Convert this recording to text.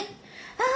ああ！